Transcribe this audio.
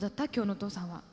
お父さん！